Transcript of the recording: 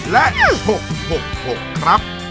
และ๖๖ครับ